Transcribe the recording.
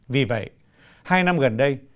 vì vậy hai năm gần đây